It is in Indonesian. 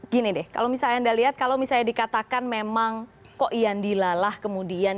gini deh kalau misalnya anda lihat kalau misalnya dikatakan memang kok yandi lalah kemudian